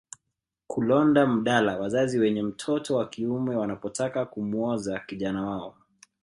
Kulonda mdala wazazi wenye mtoto wa kiume wanapotaka kumwoza kijana wao